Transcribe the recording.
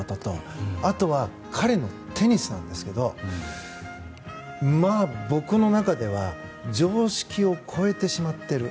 あとは、彼のテニスなんですけど僕の中では常識を超えてしまっている。